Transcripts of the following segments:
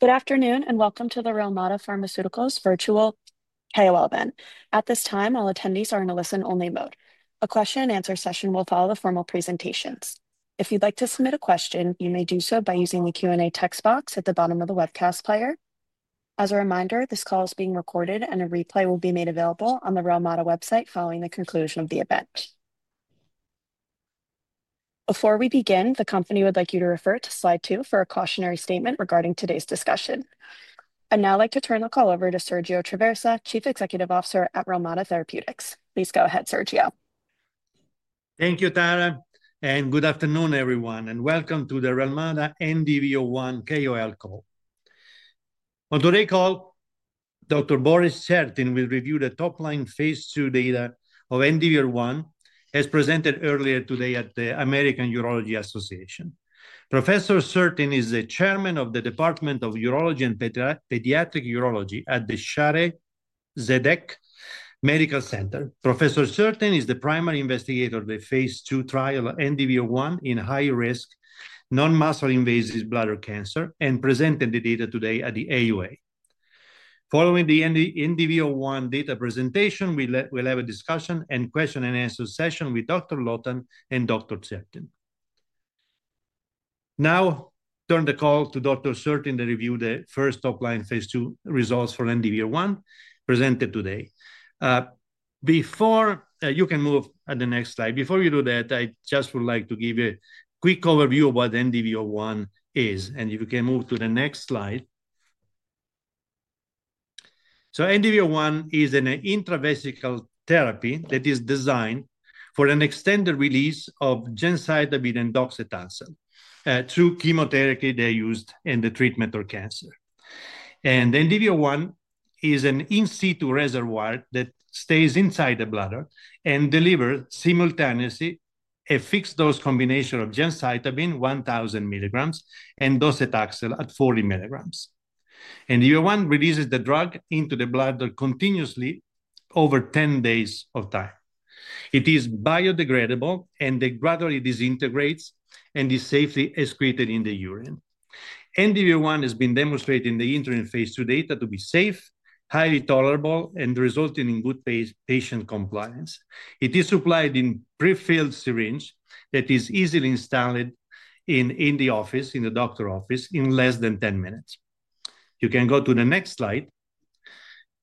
Good afternoon and welcome to the Relmada Therapeutics virtual KOL event. At this time, all attendees are in a listen-only mode. A question-and-answer session will follow the formal presentations. If you'd like to submit a question, you may do so by using the Q&A text box at the bottom of the webcast player. As a reminder, this call is being recorded, and a replay will be made available on the Relmada website following the conclusion of the event. Before we begin, the company would like you to refer to slide 2 for a cautionary statement regarding today's discussion. I'd now like to turn the call over to Sergio Traversa, Chief Executive Officer at Relmada Therapeutics. Please go ahead, Sergio. Thank you, Tara, and good afternoon, everyone, and welcome to the Relmada NDV-01 KOL call. On today's call, Dr. Boris Certin will review the top-line phase 2 data of NDV-01, as presented earlier today at the American Urological Association. Professor Certin is the Chairman of the Department of Urology and Pediatric Urology at the Shaare Zedek Medical Center. Professor Certin is the principal investigator of the phase 2 trial of NDV-01 in high-risk non-muscle invasive bladder cancer and presented the data today at the AUA. Following the NDV-01 data presentation, we'll have a discussion and question-and-answer session with Dr. Lotan and Dr. Certin. Now, turn the call to Dr. Certin to review the first top-line phase 2 results for NDV-01 presented today. You can move to the next slide. Before you do that, I just would like to give you a quick overview of what NDV-01 is, and if you can move to the next slide. NDV-01 is an intravesical therapy that is designed for an extended release of gemcitabine and docetaxel through chemotherapy they used in the treatment of cancer. NDV-01 is an in-situ reservoir that stays inside the bladder and delivers simultaneously a fixed-dose combination of gemcitabine 1,000 milligrams and docetaxel at 40 milligrams. NDV-01 releases the drug into the bladder continuously over 10 days of time. It is biodegradable, and it gradually disintegrates and is safely excreted in the urine. NDV-01 has been demonstrated in the interim phase 2 data to be safe, highly tolerable, and resulting in good patient compliance. It is supplied in a prefilled syringe that is easily installed in the office, in the doctor's office, in less than 10 minutes. You can go to the next slide.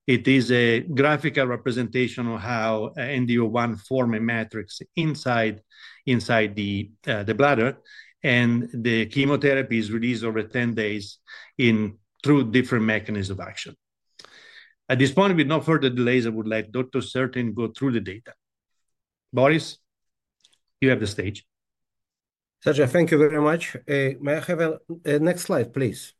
It is a graphical representation of how NDV-01 forms a matrix inside the bladder, and the chemotherapy is released over 10 days through different mechanisms of action. At this point, with no further delays, I would like Dr. Certin to go through the data. Boris, you have the stage. Sergio, thank you very much. May I have a next slide, please?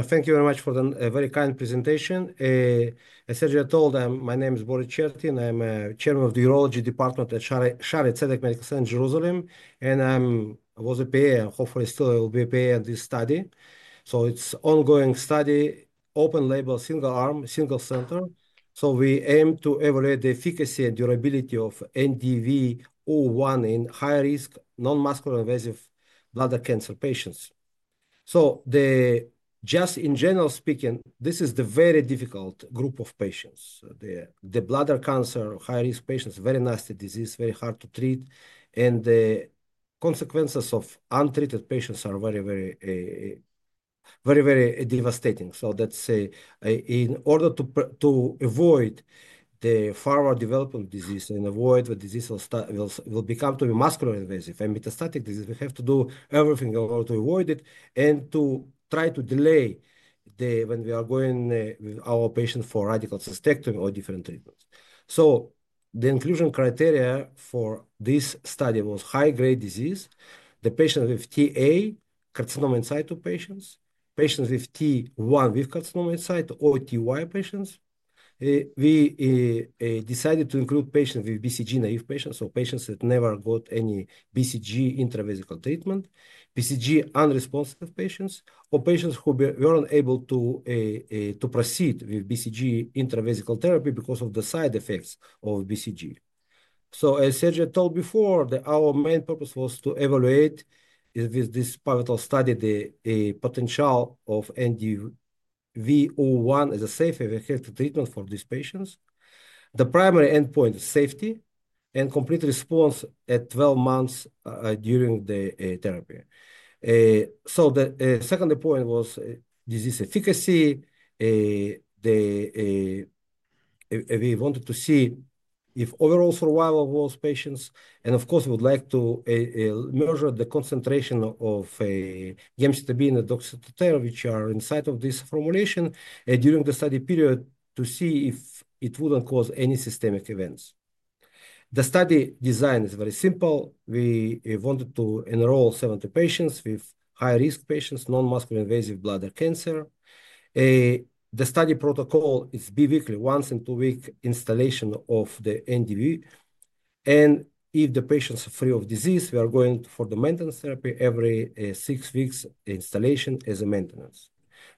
Thank you very much for the very kind presentation. As Sergio told, my name is Boris Certin. I'm the Chairman of the Urology Department at Shaare Zedek Medical Center in Jerusalem, and I was a PA, and hopefully still will be a PA in this study. It's an ongoing study, open-label, single-arm, single-centered. We aim to evaluate the efficacy and durability of NDV-01 in high-risk non-muscle invasive bladder cancer patients. Just in general speaking, this is a very difficult group of patients. The bladder cancer, high-risk patients, very nasty disease, very hard to treat, and the consequences of untreated patients are very, very devastating. In order to avoid the further development of disease and avoid the disease will become to be muscle-invasive and metastatic disease, we have to do everything in order to avoid it and to try to delay when we are going with our patient for radical cystectomy or different treatments. The inclusion criteria for this study was high-grade disease, the patient with Ta carcinoma in situ patients, patients with T1 with carcinoma in situ, or Tis patients. We decided to include patients with BCG naive patients, so patients that never got any BCG intravesical treatment, BCG unresponsive patients, or patients who were not able to proceed with BCG intravesical therapy because of the side effects of BCG. As Sergio told before, our main purpose was to evaluate with this pivotal study the potential of NDV-01 as a safe and effective treatment for these patients. The primary endpoint is safety and complete response at 12 months during the therapy. The second point was disease efficacy. We wanted to see if overall survival was patients, and of course, we would like to measure the concentration of gemcitabine and docetaxel, which are inside of this formulation during the study period, to see if it would not cause any systemic events. The study design is very simple. We wanted to enroll 70 patients with high-risk, non-muscle invasive bladder cancer. The study protocol is biweekly, once in two weeks, instillation of the NDV. If the patients are free of disease, we are going for the maintenance therapy every six weeks, instillation as a maintenance.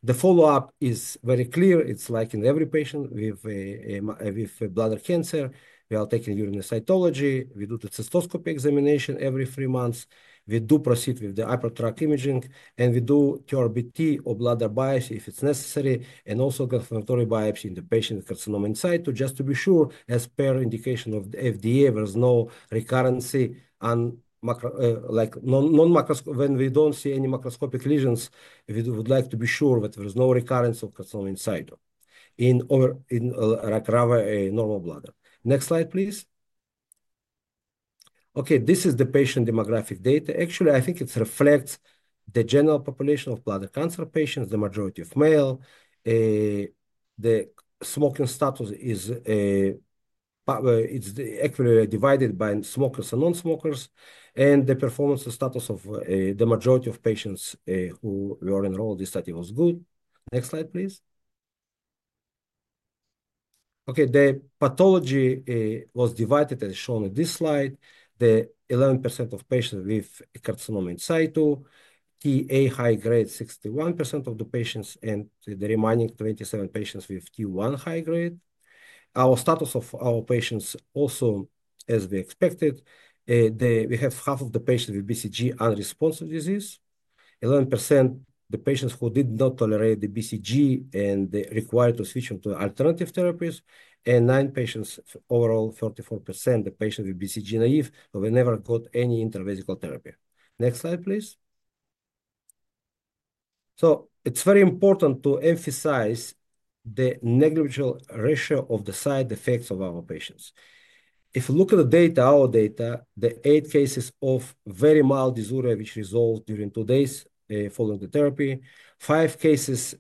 The follow-up is very clear. It is like in every patient with bladder cancer. We are taking urine cytology. We do the cystoscopy examination every three months. We do proceed with the hypertrophic imaging, and we do TURBT or bladder biopsy if it's necessary, and also confirmatory biopsy in the patient with carcinoma in situ, just to be sure, as per indication of the FDA, there's no recurrence when we don't see any macroscopic lesions. We would like to be sure that there's no recurrence of carcinoma in situ in a normal bladder. Next slide, please. Okay, this is the patient demographic data. Actually, I think it reflects the general population of bladder cancer patients, the majority of male. The smoking status is equally divided by smokers and non-smokers, and the performance status of the majority of patients who were enrolled in this study was good. Next slide, please. Okay, the pathology was divided, as shown in this slide, the 11% of patients with carcinoma in situ, TA high grade, 61% of the patients, and the remaining 27 patients with T1 high grade. Our status of our patients also, as we expected, we have half of the patients with BCG unresponsive disease, 11% of the patients who did not tolerate the BCG and required to switch them to alternative therapies, and nine patients, overall 34% of the patients with BCG naive, who never got any intravesical therapy. Next slide, please. It is very important to emphasize the negligible ratio of the side effects of our patients. If you look at the data, our data, the eight cases of very mild dysuria, which resolved during two days following the therapy, five cases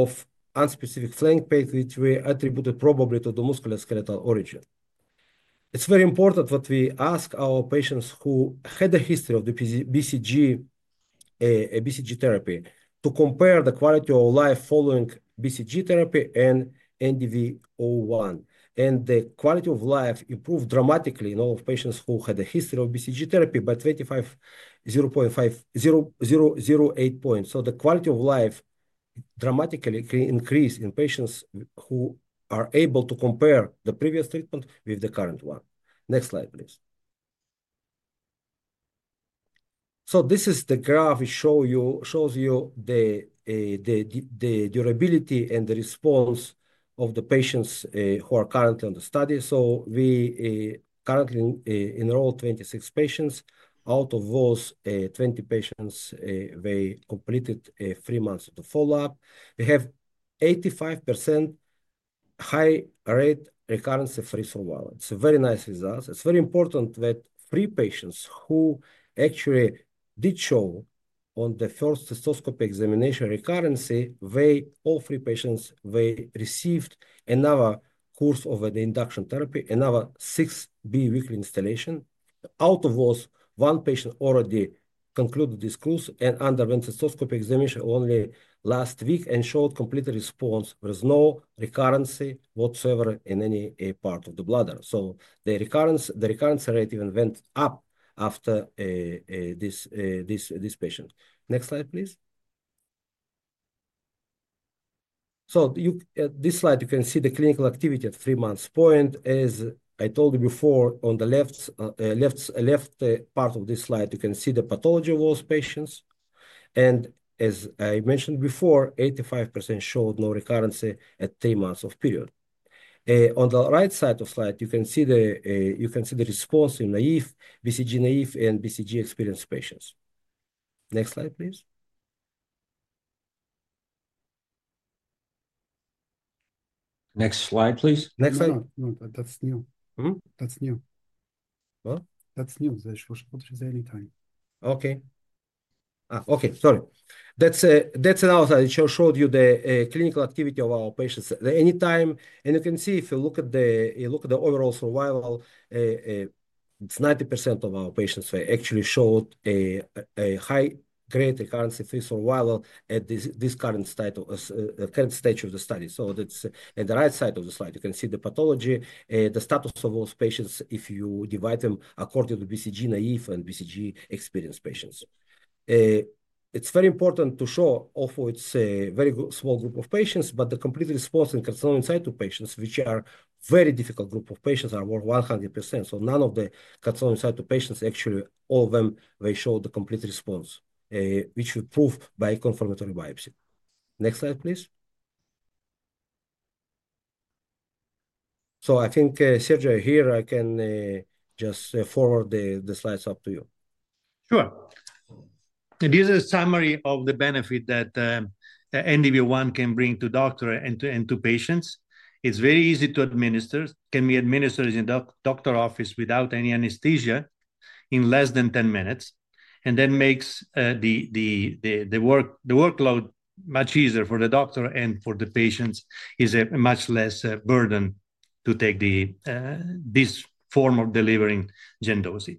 of unspecific flank pain, which we attributed probably to the musculoskeletal origin. It's very important that we ask our patients who had a history of the BCG therapy to compare the quality of life following BCG therapy and NDV-01, and the quality of life improved dramatically in all of patients who had a history of BCG therapy by 0.5008 points. The quality of life dramatically increased in patients who are able to compare the previous treatment with the current one. Next slide, please. This is the graph which shows you the durability and the response of the patients who are currently on the study. We currently enrolled 26 patients. Out of those, 20 patients completed three months of the follow-up. We have 85% high-grade recurrence-free survival. It's a very nice result. It's very important that three patients who actually did show on the first cystoscopy examination recurrency, all three patients, they received another course of the induction therapy, another six-weekly installation. Out of those, one patient already concluded this course and underwent cystoscopy examination only last week and showed complete response. There's no recurrence whatsoever in any part of the bladder. The recurrence rate even went up after this patient. Next slide, please. At this slide, you can see the clinical activity at three months' point. As I told you before, on the left part of this slide, you can see the pathology of those patients. As I mentioned before, 85% showed no recurrence at three months of period. On the right side of the slide, you can see the response in naive, BCG naive, and BCG experienced patients. Next slide, please. Next slide, please. Next slide. That's new. That's new. What? That's new. Okay. Okay, sorry. That's another slide. It showed you the clinical activity of our patients at any time. You can see if you look at the overall survival, it's 90% of our patients actually showed a high-grade recurrence-free survival at this current stage of the study. That's at the right side of the slide. You can see the pathology, the status of those patients if you divide them according to BCG naive and BCG experienced patients. It's very important to show, although it's a very small group of patients, the complete response in carcinoma in situ patients, which are a very difficult group of patients, are over 100%. None of the carcinoma in situ patients, actually, all of them, they showed the complete response, which we proved by confirmatory biopsy. Next slide, please. I think, Sergio, here, I can just forward the slides up to you. Sure. This is a summary of the benefit that NDV-01 can bring to doctors and to patients. It's very easy to administer. It can be administered in the doctor's office without any anesthesia in less than 10 minutes, and that makes the workload much easier for the doctor and for the patients. It's a much less burden to take this form of delivering gemcitabine.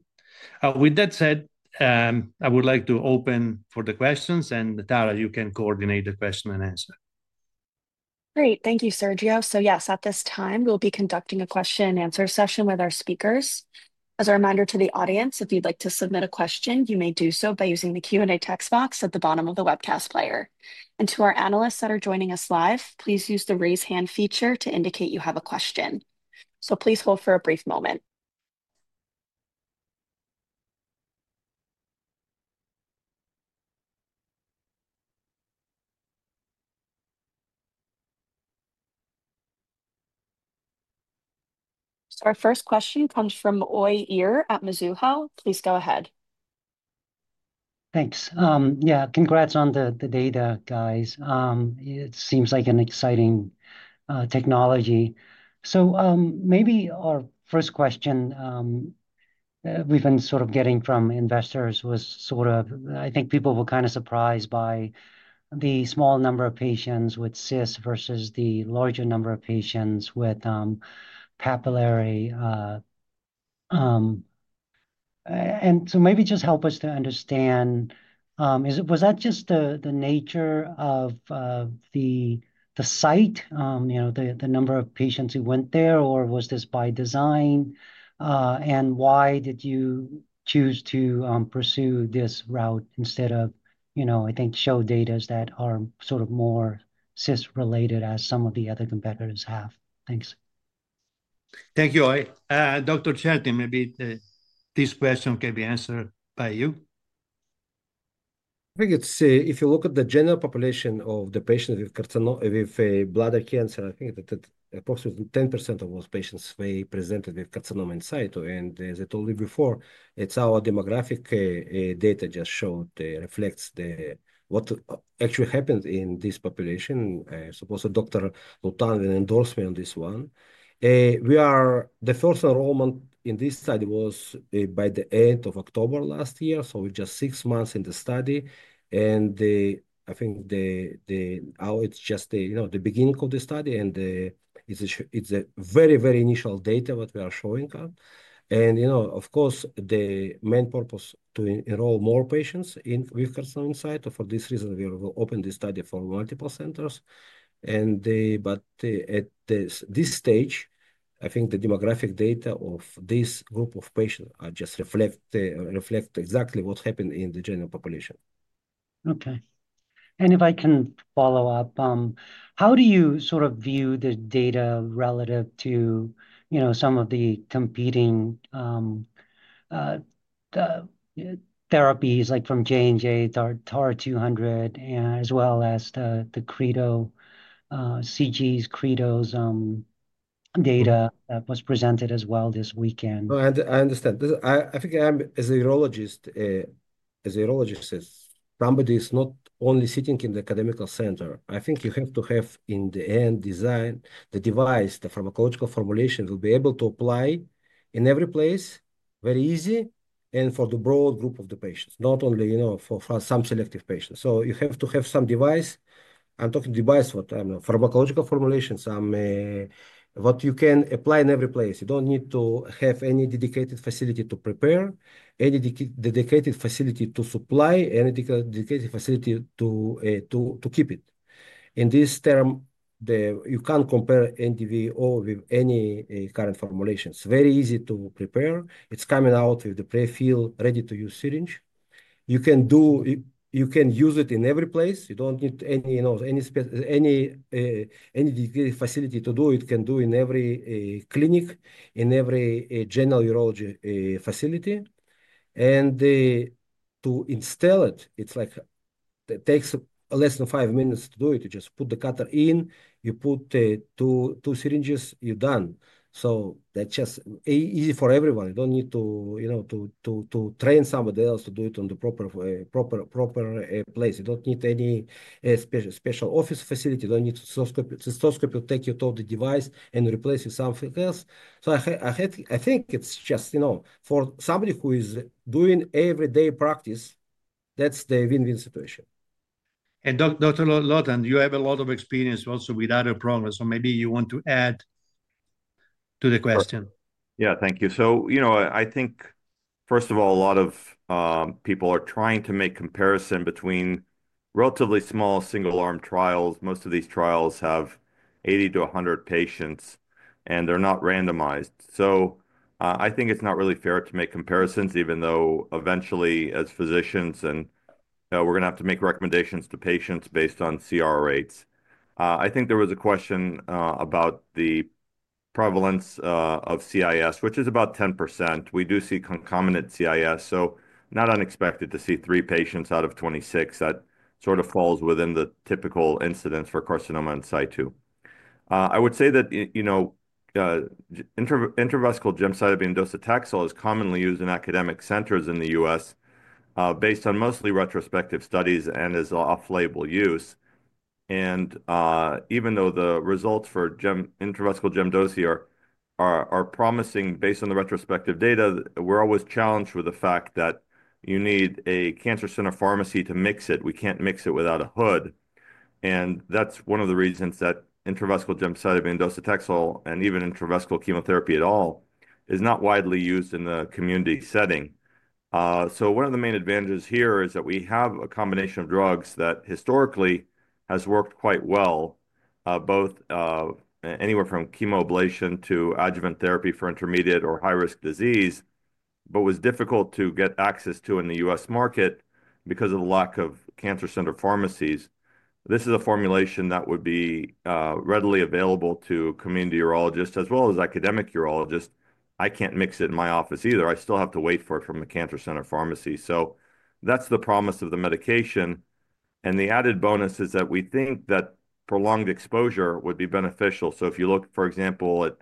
With that said, I would like to open for the questions, and Tara, you can coordinate the question and answer. Great. Thank you, Sergio. Yes, at this time, we'll be conducting a question-and-answer session with our speakers. As a reminder to the audience, if you'd like to submit a question, you may do so by using the Q&A text box at the bottom of the webcast player. To our analysts that are joining us live, please use the raise hand feature to indicate you have a question. Please hold for a brief moment. Our first question comes from Oi Ir at Mizuho. Please go ahead. Thanks. Yeah, congrats on the data, guys. It seems like an exciting technology. Maybe our first question we've been sort of getting from investors was sort of, I think people were kind of surprised by the small number of patients with cysts versus the larger number of patients with papillary. Maybe just help us to understand, was that just the nature of the site, the number of patients who went there, or was this by design? Why did you choose to pursue this route instead of, I think, show data that are sort of more cyst-related as some of the other competitors have? Thanks. Thank you, Oi. Dr. Certin, maybe this question can be answered by you. I think if you look at the general population of the patients with bladder cancer, I think that approximately 10% of those patients presented with carcinoma in situ. As I told you before, our demographic data just showed reflects what actually happened in this population. I suppose Dr. Lotan will endorse me on this one. The first enrollment in this study was by the end of October last year, so we're just six months in the study. I think it's just the beginning of the study, and it's very, very initial data what we are showing up. Of course, the main purpose is to enroll more patients with carcinoma in situ. For this reason, we will open this study for multiple centers. At this stage, I think the demographic data of this group of patients just reflect exactly what happened in the general population. Okay. If I can follow up, how do you sort of view the data relative to some of the competing therapies, like from J&J, TAR-200, as well as the CREDO, CG's, CREDO's data that was presented as well this weekend? I understand. I think as a urologist, as a urologist, as somebody who's not only sitting in the academical center, I think you have to have in the end design, the device, the pharmacological formulation to be able to apply in every place very easy and for the broad group of the patients, not only for some selective patients. You have to have some device. I'm talking device, what I mean, pharmacological formulation, what you can apply in every place. You don't need to have any dedicated facility to prepare, any dedicated facility to supply, any dedicated facility to keep it. In this term, you can't compare NDV-01 with any current formulations. Very easy to prepare. It's coming out with the prefill ready-to-use syringe. You can use it in every place. You don't need any dedicated facility to do it. You can do it in every clinic, in every general urology facility. To install it, it takes less than five minutes to do it. You just put the cutter in, you put two syringes, you're done. That's just easy for everyone. You don't need to train somebody else to do it in the proper place. You don't need any special office facility. You don't need cystoscopy to take you to the device and replace with something else. I think it's just for somebody who is doing everyday practice, that's the win-win situation. Dr. Lotan, you have a lot of experience also with other programs. Maybe you want to add to the question. Yeah, thank you. You know, I think, first of all, a lot of people are trying to make comparison between relatively small single-arm trials. Most of these trials have 80-100 patients, and they're not randomized. I think it's not really fair to make comparisons, even though eventually, as physicians, we're going to have to make recommendations to patients based on CR rates. I think there was a question about the prevalence of CIS, which is about 10%. We do see concomitant CIS. Not unexpected to see three patients out of 26. That sort of falls within the typical incidence for carcinoma in situ. I would say that intravesical gemcitabine docetaxel is commonly used in academic centers in the US based on mostly retrospective studies and as off-label use. Even though the results for intravesical gemcitabine are promising based on the retrospective data, we're always challenged with the fact that you need a cancer center pharmacy to mix it. We can't mix it without a hood. That is one of the reasons that intravesical gemcitabine docetaxel, and even intravesical chemotherapy at all, is not widely used in the community setting. One of the main advantages here is that we have a combination of drugs that historically has worked quite well, anywhere from chemoablation to adjuvant therapy for intermediate or high-risk disease, but was difficult to get access to in the US market because of the lack of cancer center pharmacies. This is a formulation that would be readily available to community urologists as well as academic urologists. I can't mix it in my office either. I still have to wait for it from a cancer center pharmacy. That is the promise of the medication. The added bonus is that we think that prolonged exposure would be beneficial. If you look, for example, at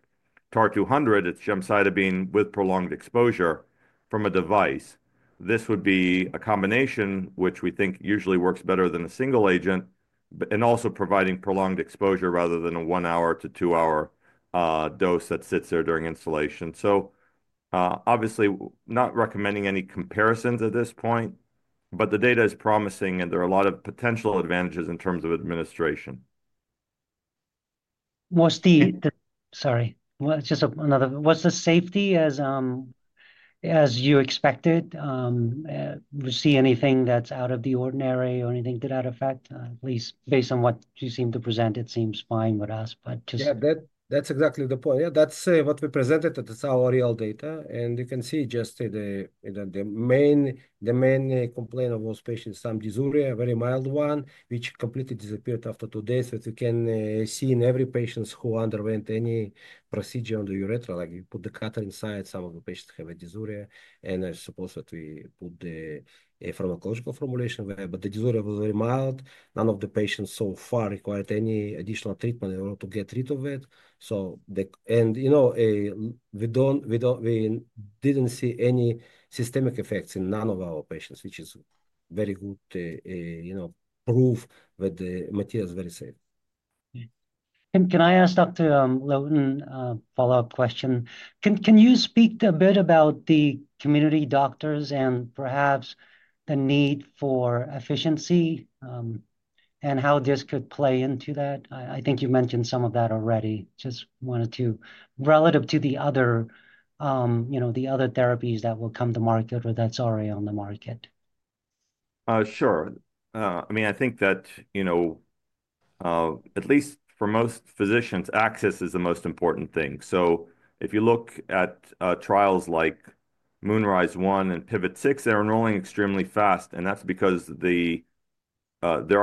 TAR-200, it is gemcitabine with prolonged exposure from a device. This would be a combination, which we think usually works better than a single agent, and also providing prolonged exposure rather than a one-hour to two-hour dose that sits there during installation. Obviously, not recommending any comparisons at this point, but the data is promising, and there are a lot of potential advantages in terms of administration. Sorry. Just another. Was the safety, as you expected, see anything that's out of the ordinary or anything to that effect? At least based on what you seem to present, it seems fine with us, but just. Yeah, that's exactly the point. Yeah, that's what we presented. That's our real data. You can see just the main complaint of those patients is some dysuria, a very mild one, which completely disappeared after two days. You can see in every patient who underwent any procedure on the urethra, like you put the catheter inside, some of the patients have a dysuria. I suppose that we put the pharmacological formulation there, but the dysuria was very mild. None of the patients so far required any additional treatment in order to get rid of it. We did not see any systemic effects in any of our patients, which is very good proof that the material is very safe. Can I ask Dr. Lotan a follow-up question? Can you speak a bit about the community doctors and perhaps the need for efficiency and how this could play into that? I think you mentioned some of that already. Just wanted to, relative to the other therapies that will come to market or that's already on the market. Sure. I mean, I think that at least for most physicians, access is the most important thing. If you look at trials like Moonrise One and Pivot Six, they're enrolling extremely fast. That's because there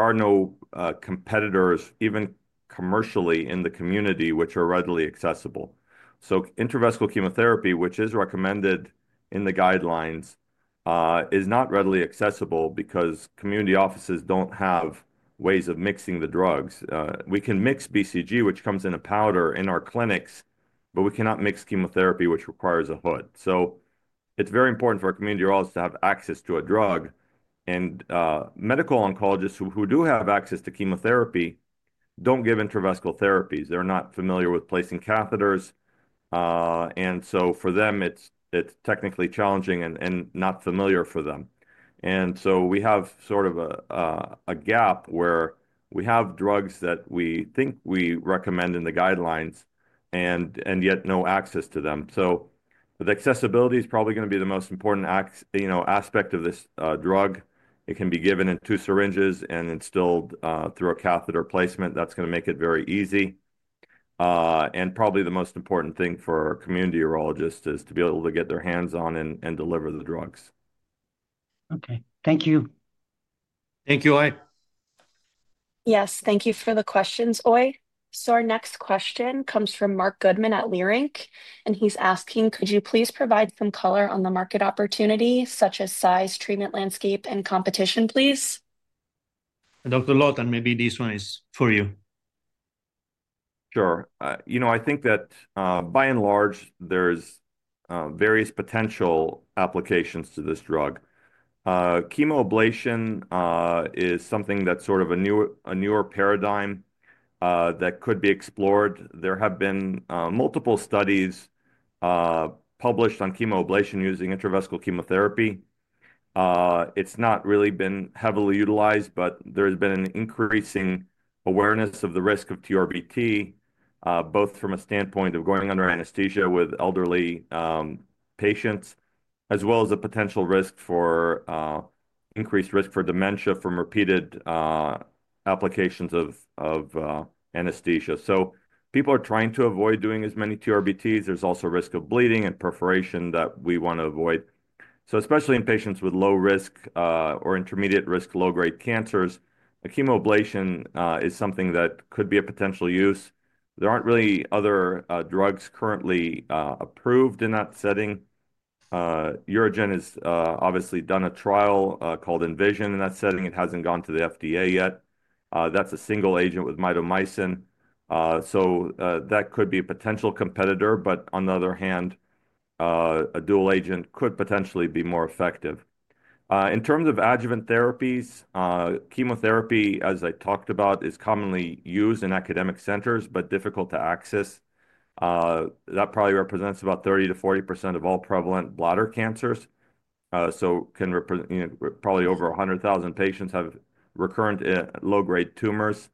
are no competitors, even commercially in the community, which are readily accessible. Intravesical chemotherapy, which is recommended in the guidelines, is not readily accessible because community offices don't have ways of mixing the drugs. We can mix BCG, which comes in a powder, in our clinics, but we cannot mix chemotherapy, which requires a hood. It is very important for our community urologists to have access to a drug. Medical oncologists who do have access to chemotherapy don't give intravesical therapies. They're not familiar with placing catheters. For them, it's technically challenging and not familiar for them. We have sort of a gap where we have drugs that we think we recommend in the guidelines, and yet no access to them. The accessibility is probably going to be the most important aspect of this drug. It can be given in two syringes and instilled through a catheter placement. That's going to make it very easy. Probably the most important thing for our community urologists is to be able to get their hands on and deliver the drugs. Okay. Thank you. Thank you, Oi. Yes, thank you for the questions, Oi. Our next question comes from Mark Goodman at Leerink. He's asking, could you please provide some color on the market opportunity, such as size, treatment landscape, and competition, please? Dr. Lotan, maybe this one is for you. Sure. You know, I think that by and large, there's various potential applications to this drug. Chemoablation is something that's sort of a newer paradigm that could be explored. There have been multiple studies published on chemoablation using intravesical chemotherapy. It's not really been heavily utilized, but there has been an increasing awareness of the risk of TURBT, both from a standpoint of going under anesthesia with elderly patients, as well as the potential risk for increased risk for dementia from repeated applications of anesthesia. People are trying to avoid doing as many TURBTs. There's also risk of bleeding and perforation that we want to avoid. Especially in patients with low-risk or intermediate-risk low-grade cancers, a chemoablation is something that could be a potential use. There aren't really other drugs currently approved in that setting. Urogen has obviously done a trial called Envision in that setting. It hasn't gone to the FDA yet. That's a single agent with mitomycin. That could be a potential competitor, but on the other hand, a dual agent could potentially be more effective. In terms of adjuvant therapies, chemotherapy, as I talked about, is commonly used in academic centers, but difficult to access. That probably represents about 30-40% of all prevalent bladder cancers. Probably over 100,000 patients have recurrent low-grade tumors.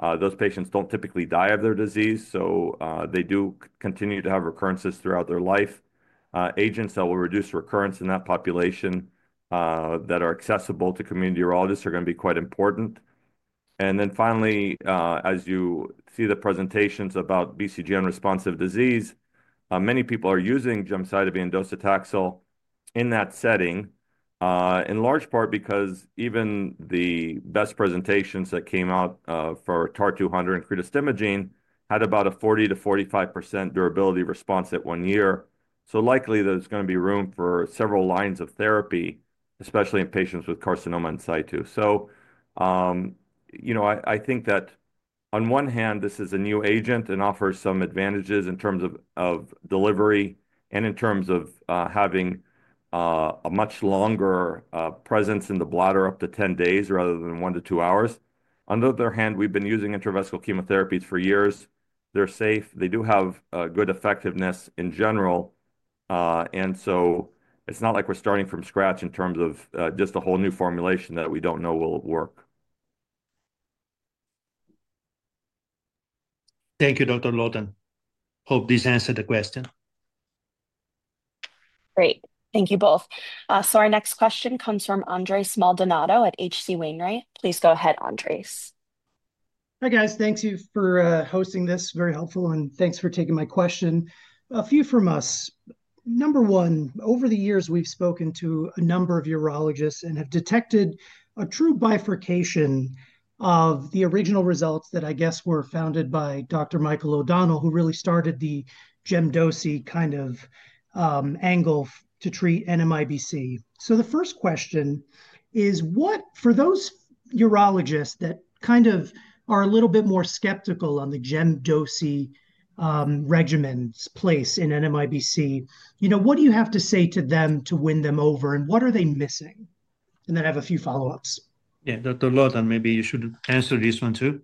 Those patients don't typically die of their disease, so they do continue to have recurrences throughout their life. Agents that will reduce recurrence in that population that are accessible to community urologists are going to be quite important. Finally, as you see the presentations about BCG unresponsive disease, many people are using gemcitabine docetaxel in that setting, in large part because even the best presentations that came out for TAR-200 and CREDO imaging had about a 40-45% durability response at one year. Likely, there's going to be room for several lines of therapy, especially in patients with carcinoma in situ. You know, I think that on one hand, this is a new agent and offers some advantages in terms of delivery and in terms of having a much longer presence in the bladder, up to 10 days rather than one to two hours. On the other hand, we've been using intravesical chemotherapies for years. They're safe. They do have good effectiveness in general. It is not like we're starting from scratch in terms of just a whole new formulation that we do not know will work. Thank you, Dr. Lotan. Hope this answered the question. Great. Thank you both. Our next question comes from Andres Maldonado at HC Wainwright. Please go ahead, Andres. Hi, guys. Thank you for hosting this. Very helpful. And thanks for taking my question. A few from us. Number one, over the years, we've spoken to a number of urologists and have detected a true bifurcation of the original results that I guess were founded by Dr. Michael O'Donnell, who really started the gemdosi kind of angle to treat NMIBC. The first question is, for those urologists that kind of are a little bit more skeptical on the gemdosi regimen's place in NMIBC, you know, what do you have to say to them to win them over? What are they missing? I have a few follow-ups. Yeah, Dr. Lotan, maybe you should answer this one too.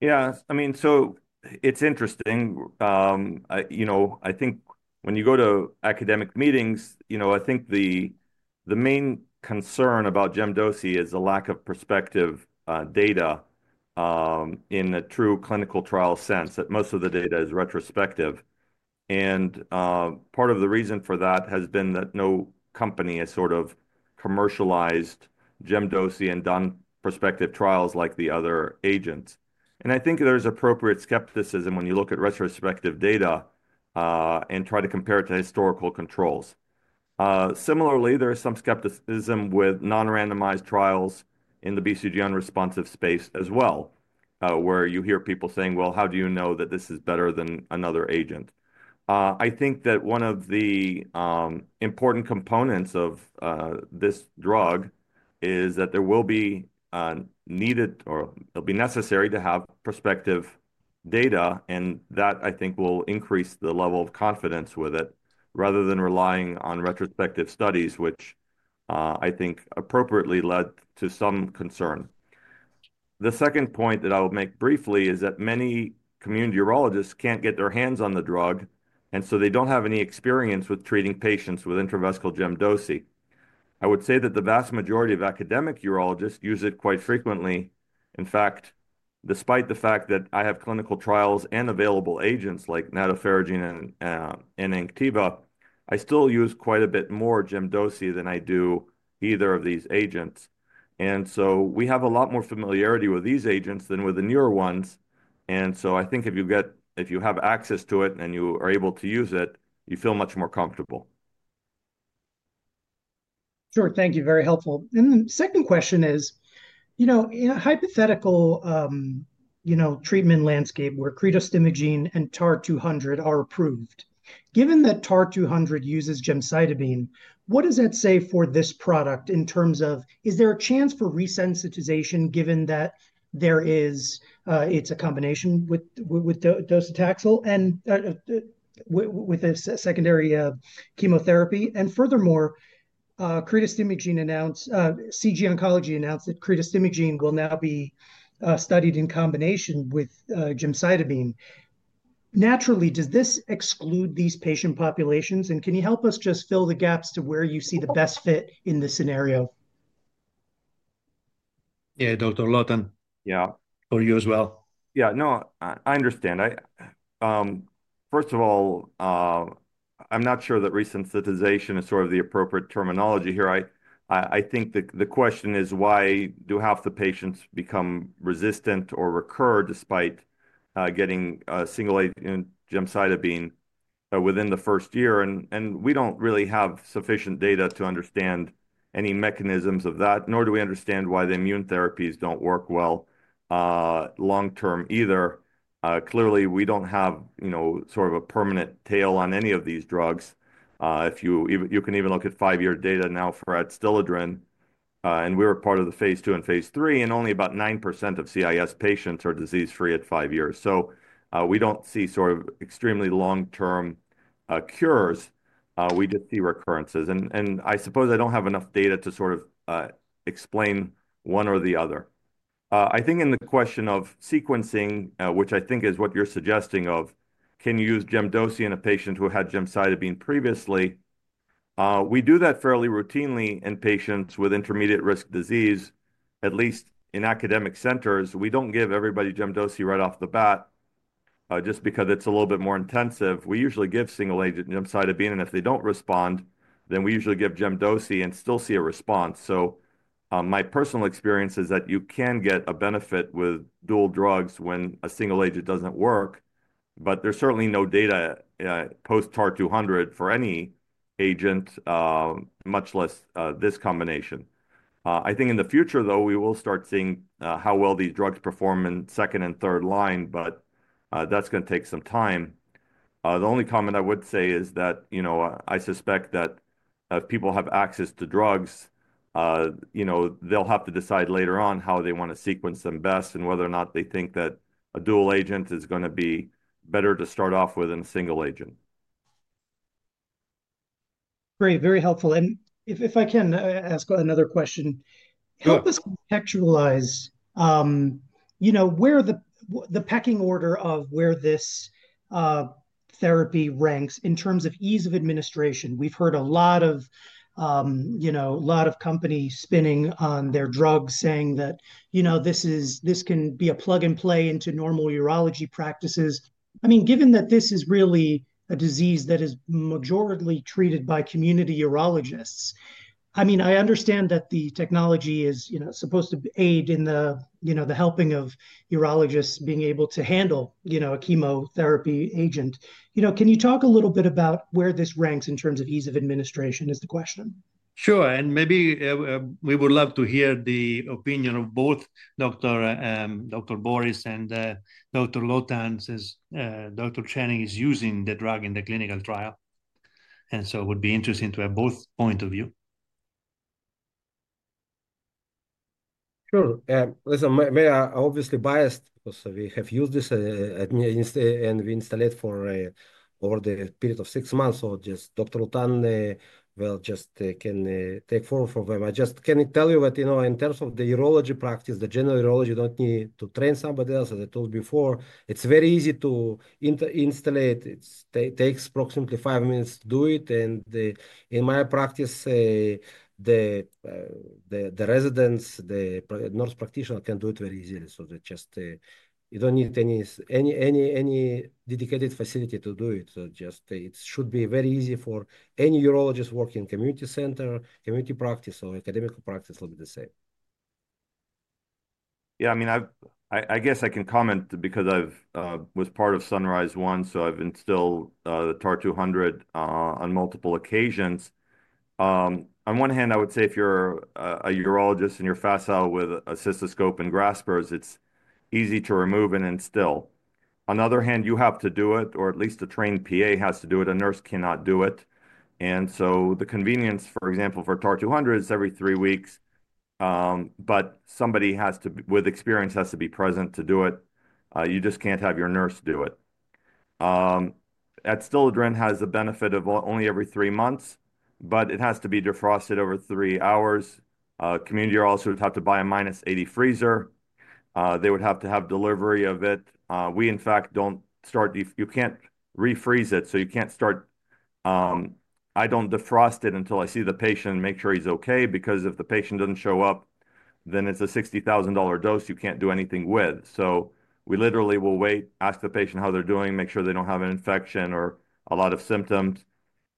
Yeah. I mean, so it's interesting. You know, I think when you go to academic meetings, you know, I think the main concern about gemdosi is a lack of prospective data in a true clinical trial sense, that most of the data is retrospective. Part of the reason for that has been that no company has sort of commercialized gemdosi and done prospective trials like the other agents. I think there's appropriate skepticism when you look at retrospective data and try to compare it to historical controls. Similarly, there is some skepticism with non-randomized trials in the BCG unresponsive space as well, where you hear people saying, "Well, how do you know that this is better than another agent?" I think that one of the important components of this drug is that there will be needed or it'll be necessary to have prospective data. I think that will increase the level of confidence with it rather than relying on retrospective studies, which I think appropriately led to some concern. The second point that I'll make briefly is that many community urologists can't get their hands on the drug, and so they don't have any experience with treating patients with intravesical gemcitabine. I would say that the vast majority of academic urologists use it quite frequently. In fact, despite the fact that I have clinical trials and available agents like Adstiladrin and Jelmyto, I still use quite a bit more gemcitabine than I do either of these agents. We have a lot more familiarity with these agents than with the newer ones. I think if you have access to it and you are able to use it, you feel much more comfortable. Sure. Thank you. Very helpful. The second question is, you know, in a hypothetical treatment landscape where CREDO and TAR-200 are approved, given that TAR-200 uses gemcitabine, what does that say for this product in terms of, is there a chance for resensitization given that it's a combination with docetaxel and with a secondary chemotherapy? Furthermore, CREDO announced CG Oncology announced that CREDO will now be studied in combination with gemcitabine. Naturally, does this exclude these patient populations? Can you help us just fill the gaps to where you see the best fit in this scenario? Yeah, Dr. Lotan. Yeah. For you as well. Yeah. No, I understand. First of all, I'm not sure that resensitization is sort of the appropriate terminology here. I think the question is, why do half the patients become resistant or recur despite getting single agent gemcitabine within the first year? We don't really have sufficient data to understand any mechanisms of that, nor do we understand why the immune therapies don't work well long-term either. Clearly, we don't have sort of a permanent tail on any of these drugs. You can even look at five-year data now for Adstiladrin. We were part of the phase two and phase three, and only about 9% of CIS patients are disease-free at five years. We don't see sort of extremely long-term cures. We just see recurrences. I suppose I don't have enough data to sort of explain one or the other. I think in the question of sequencing, which I think is what you're suggesting of, can you use gemdosi in a patient who had gemcitabine previously? We do that fairly routinely in patients with intermediate-risk disease, at least in academic centers. We don't give everybody gemdosi right off the bat just because it's a little bit more intensive. We usually give single agent gemcitabine. If they don't respond, then we usually give gemdosi and still see a response. My personal experience is that you can get a benefit with dual drugs when a single agent doesn't work, but there's certainly no data post-TAR-200 for any agent, much less this combination. I think in the future, though, we will start seeing how well these drugs perform in second and third line, but that's going to take some time. The only comment I would say is that, you know, I suspect that if people have access to drugs, you know, they'll have to decide later on how they want to sequence them best and whether or not they think that a dual agent is going to be better to start off with than a single agent. Great. Very helpful. If I can ask another question, help us contextualize, you know, the pecking order of where this therapy ranks in terms of ease of administration. We've heard a lot of, you know, a lot of companies spinning on their drugs saying that, you know, this can be a plug and play into normal urology practices. I mean, given that this is really a disease that is majority treated by community urologists, I mean, I understand that the technology is supposed to aid in the helping of urologists being able to handle a chemotherapy agent. You know, can you talk a little bit about where this ranks in terms of ease of administration is the question? Sure. Maybe we would love to hear the opinion of both Dr. Boris and Dr. Lotan as Dr. Chen is using the drug in the clinical trial. It would be interesting to have both points of view. Sure. Listen, I'm obviously biased. We have used this and we install it for over the period of six months. Just Dr. Relmada will just take forward from them. I just can tell you that, you know, in terms of the urology practice, the general urology, you don't need to train somebody else. As I told before, it's very easy to install it. It takes approximately five minutes to do it. In my practice, the residents, the nurse practitioner can do it very easily. You don't need any dedicated facility to do it. It should be very easy for any urologist working in community center, community practice, or academic practice will be the same. Yeah. I mean, I guess I can comment because I was part of Sunrise One, so I've instilled TAR-200 on multiple occasions. On one hand, I would say if you're a urologist and you're facile with a cystoscope and graspers, it's easy to remove and instill. On the other hand, you have to do it, or at least a trained PA has to do it. A nurse cannot do it. The convenience, for example, for TAR-200 is every three weeks, but somebody with experience has to be present to do it. You just can't have your nurse do it. Adstiladrin has the benefit of only every three months, but it has to be defrosted over three hours. Community urologists would have to buy a minus 80 freezer. They would have to have delivery of it. We, in fact, don't start, you can't refreeze it. You can't start, I don't defrost it until I see the patient and make sure he's okay. Because if the patient doesn't show up, then it's a $60,000 dose you can't do anything with. We literally will wait, ask the patient how they're doing, make sure they don't have an infection or a lot of symptoms.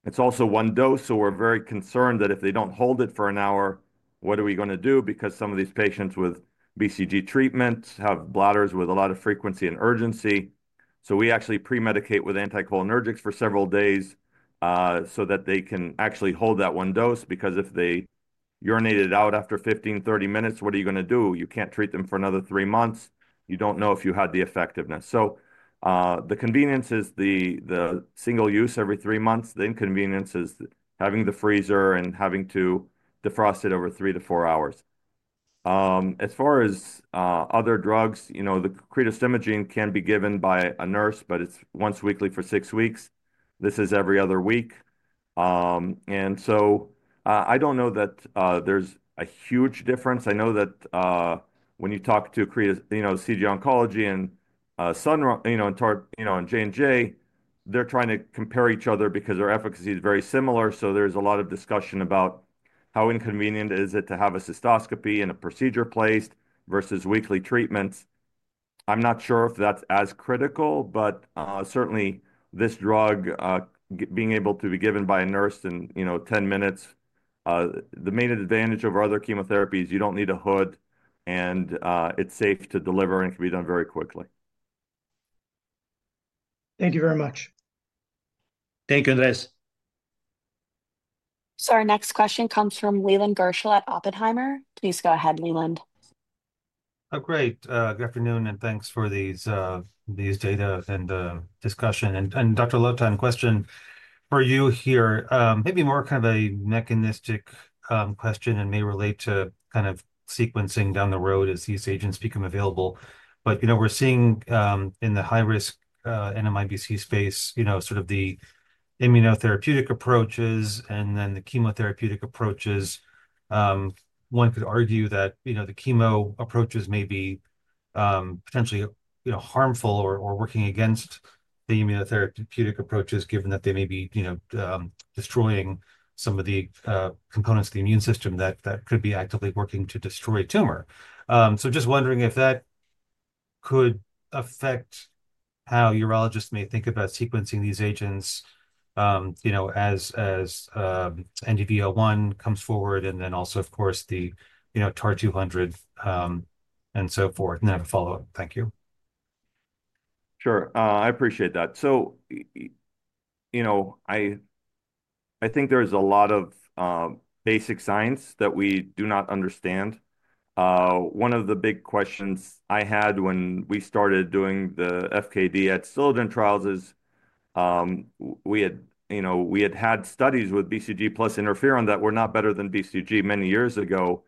It's also one dose, so we're very concerned that if they don't hold it for an hour, what are we going to do? Some of these patients with BCG treatment have bladders with a lot of frequency and urgency. We actually pre-medicate with anticholinergics for several days so that they can actually hold that one dose. If they urinate it out after 15, 30 minutes, what are you going to do? You can't treat them for another three months. You don't know if you had the effectiveness. The convenience is the single use every three months. The inconvenience is having the freezer and having to defrost it over three to four hours. As far as other drugs, you know, the CREDO imaging can be given by a nurse, but it's once weekly for six weeks. This is every other week. I don't know that there's a huge difference. I know that when you talk to CG Oncology and Sunrise and J&J, they're trying to compare each other because their efficacy is very similar. There is a lot of discussion about how inconvenient is it to have a cystoscopy and a procedure placed versus weekly treatments. I'm not sure if that's as critical, but certainly this drug, being able to be given by a nurse in, you know, 10 minutes, the main advantage over other chemotherapy is you don't need a hood, and it's safe to deliver and can be done very quickly. Thank you very much. Thank you, Andres. Our next question comes from Leland Gershell at Oppenheimer. Please go ahead, Leland. Oh, great. Good afternoon. Thanks for these data and discussion. Dr. Lotan, question for you here, maybe more kind of a mechanistic question and may relate to kind of sequencing down the road as these agents become available. You know, we're seeing in the high-risk NMIBC space, you know, sort of the immunotherapeutic approaches and then the chemotherapeutic approaches. One could argue that, you know, the chemo approaches may be potentially harmful or working against the immunotherapeutic approaches given that they may be, you know, destroying some of the components of the immune system that could be actively working to destroy tumor. Just wondering if that could affect how urologists may think about sequencing these agents, you know, as NDV-01 comes forward and then also, of course, the TAR-200 and so forth. I have a follow-up. Thank you. Sure. I appreciate that. You know, I think there's a lot of basic science that we do not understand. One of the big questions I had when we started doing the FKD Adstiladrin trials is we had, you know, we had had studies with BCG plus interferon that were not better than BCG many years ago.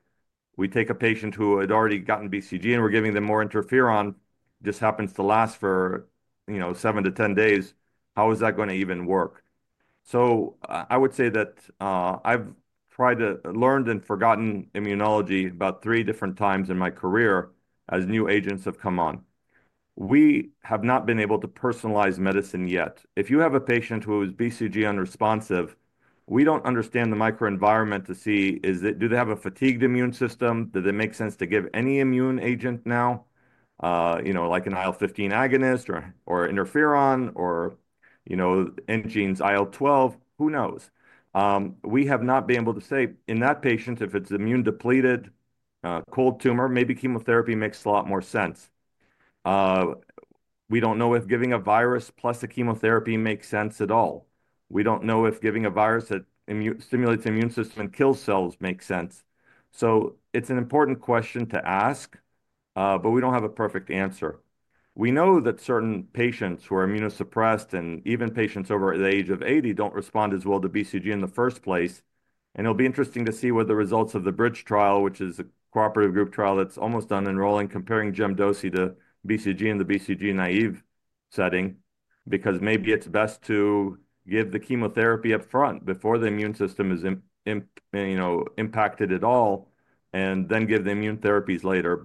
We take a patient who had already gotten BCG and we're giving them more interferon, just happens to last for, you know, 7 to 10 days. How is that going to even work? I would say that I've tried to learn and forgotten immunology about three different times in my career as new agents have come on. We have not been able to personalize medicine yet. If you have a patient who is BCG unresponsive, we don't understand the microenvironment to see do they have a fatigued immune system? Does it make sense to give any immune agent now, you know, like an IL-15 agonist or interferon or, you know, NGENE's IL-12? Who knows? We have not been able to say in that patient, if it's immune depleted, cold tumor, maybe chemotherapy makes a lot more sense. We don't know if giving a virus plus a chemotherapy makes sense at all. We don't know if giving a virus that stimulates the immune system and kills cells makes sense. It is an important question to ask, but we don't have a perfect answer. We know that certain patients who are immunosuppressed and even patients over the age of 80 don't respond as well to BCG in the first place. It'll be interesting to see what the results of the BRIDGE trial, which is a cooperative group trial that's almost done enrolling, comparing gemdosi to BCG in the BCG naive setting, because maybe it's best to give the chemotherapy upfront before the immune system is, you know, impacted at all, and then give the immune therapies later.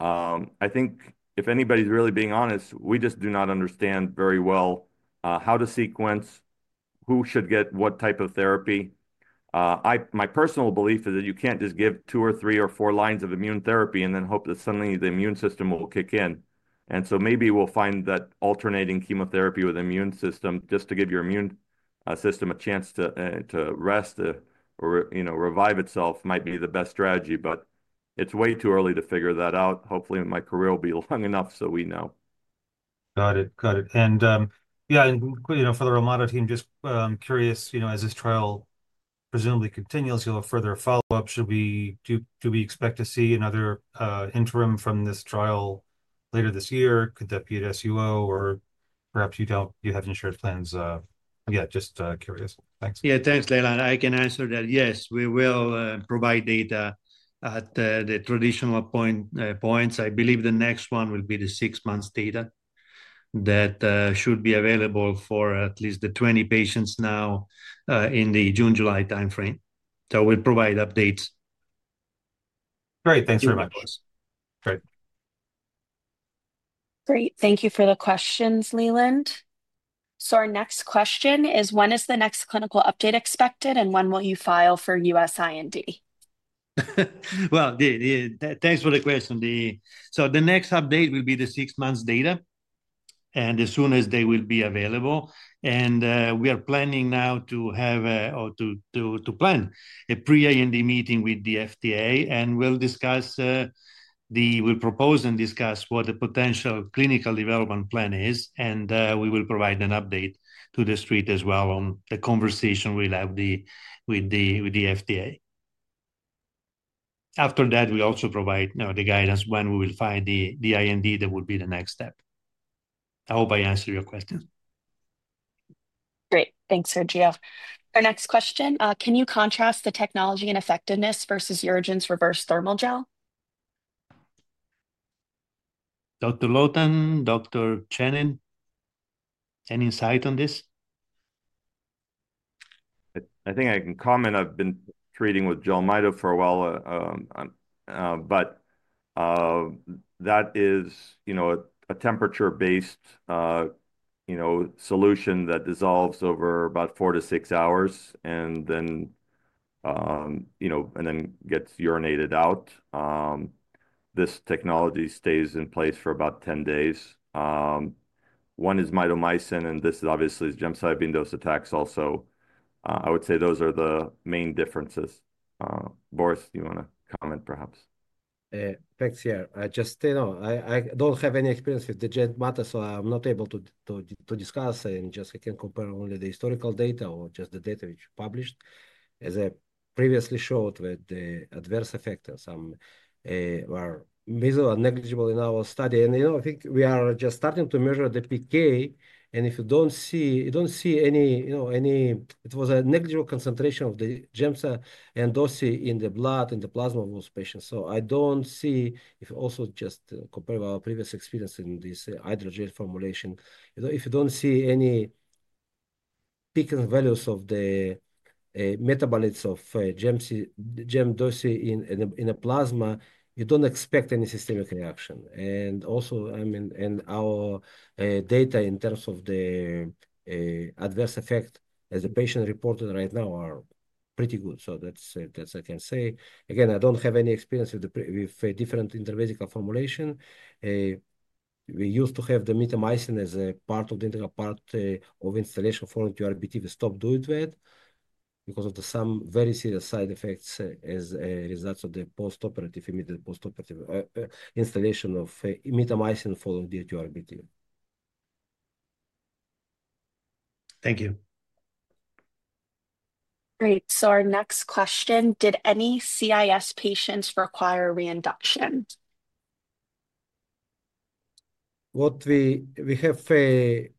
I think if anybody's really being honest, we just do not understand very well how to sequence, who should get what type of therapy. My personal belief is that you can't just give two or three or four lines of immune therapy and then hope that suddenly the immune system will kick in. Maybe we'll find that alternating chemotherapy with immune system just to give your immune system a chance to rest or, you know, revive itself might be the best strategy. It is way too early to figure that out. Hopefully, my career will be long enough so we know. Got it. Got it. Yeah, you know, for the Relmada team, just curious, as this trial presumably continues, you'll have further follow-up. Should we expect to see another interim from this trial later this year? Could that be at SUO or perhaps you don't, you have insurance plans? Yeah, just curious. Thanks. Yeah, thanks, Leland. I can answer that. Yes, we will provide data at the traditional points. I believe the next one will be the six-month data that should be available for at least the 20 patients now in the June-July timeframe. We will provide updates. Great. Thanks very much. Great. Great. Thank you for the questions, Leland. Our next question is, when is the next clinical update expected and when will you file for US IND? Thanks for the question. The next update will be the six-month data, as soon as they will be available. We are planning now to have or to plan a pre-IND meeting with the FDA, and we'll propose and discuss what the potential clinical development plan is, and we will provide an update to the street as well on the conversation we'll have with the FDA. After that, we also provide the guidance when we will find the IND that will be the next step. I hope I answered your question. Great. Thanks, Sergio. Our next question, can you contrast the technology and effectiveness versus your agent's reverse thermal gel? Dr. Lotan, Dr. Certin? Any insight on this? I think I can comment. I've been treating with Jelmyto for a while, but that is, you know, a temperature-based, you know, solution that dissolves over about four to six hours and then, you know, and then gets urinated out. This technology stays in place for about 10 days. One is mitomycin, and this obviously is gemcitabine docetaxel also. I would say those are the main differences. Boris, do you want to comment perhaps? Thanks, yeah. Just, you know, I don't have any experience with the JMDA, so I'm not able to discuss. I can compare only the historical data or just the data which was published as I previously showed with the adverse effects that were negligible in our study. You know, I think we are just starting to measure the PK, and if you don't see, you don't see any, you know, any, it was a negligible concentration of the gemcitabine dose in the blood in the plasma of those patients. I don't see if also just compare our previous experience in this hydrogel formulation. If you don't see any peak values of the metabolites of gemcitabine dose in the plasma, you don't expect any systemic reaction. I mean, our data in terms of the adverse effect as the patient reported right now are pretty good. That's what I can say. Again, I don't have any experience with different intravesical formulation. We used to have the mitomycin as a part of the integral part of instillation following TURBT. We stopped doing that because of some very serious side effects as a result of the post-operative, immediate post-operative instillation of mitomycin following the TURBT. Thank you. Great. Our next question, did any CIS patients require reinduction? What we have, three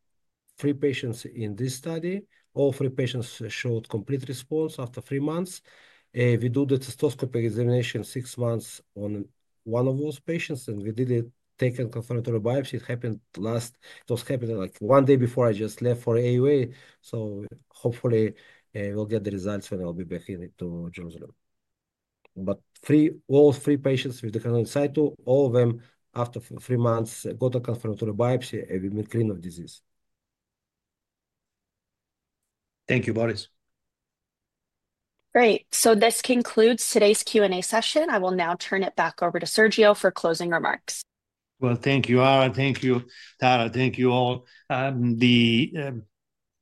patients in this study. All three patients showed complete response after three months. We do the cystoscopic examination six months on one of those patients, and we did a taken confirmatory biopsy. It happened last, it was happened like one day before I just left for AUA. Hopefully, we'll get the results when I'll be back to Jerusalem. All three patients with the in situ, all of them after three months got a confirmatory biopsy with clean of disease. Thank you, Boris. Great. This concludes today's Q&A session. I will now turn it back over to Sergio for closing remarks. Thank you, Ara. Thank you, Tara. Thank you all.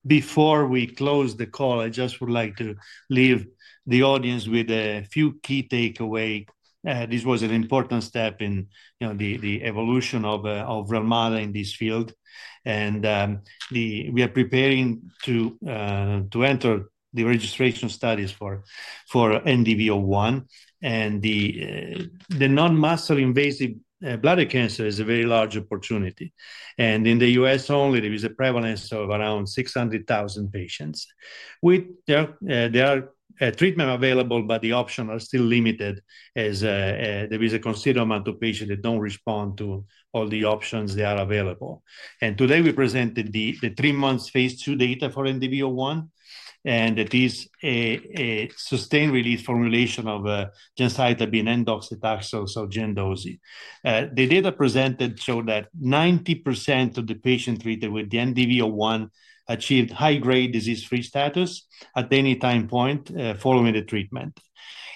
Before we close the call, I just would like to leave the audience with a few key takeaways. This was an important step in, you know, the evolution of Relmada in this field. We are preparing to enter the registration studies for NDV-01. The non-muscle invasive bladder cancer is a very large opportunity. In the US only, there is a prevalence of around 600,000 patients. There are treatments available, but the options are still limited as there is a considerable amount of patients that do not respond to all the options that are available. Today we presented the three-month phase two data for NDV-01, and it is a sustained release formulation of gemcitabine and docetaxel, so gemdoce. The data presented showed that 90% of the patients treated with NDV-01 achieved high-grade disease-free status at any time point following the treatment,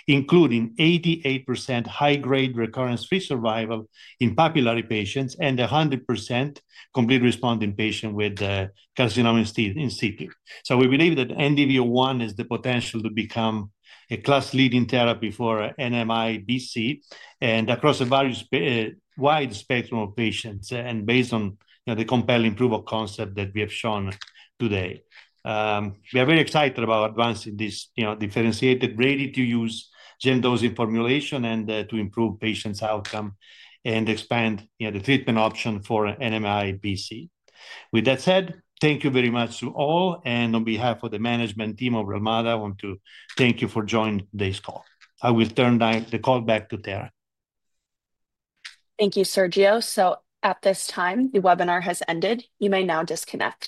including 88% high-grade recurrence-free survival in papillary patients and 100% complete response in patients with carcinoma in situ. We believe that NDV-01 has the potential to become a class-leading therapy for NMIBC and across a wide spectrum of patients and based on the compelling proof of concept that we have shown today. We are very excited about advancing this, you know, differentiated ready-to-use gemcitabine/docetaxel formulation and to improve patients' outcome and expand, you know, the treatment option for NMIBC. With that said, thank you very much to all. On behalf of the management team of Relmada, I want to thank you for joining this call. I will turn the call back to Tara. Thank you, Sergio. At this time, the webinar has ended. You may now disconnect.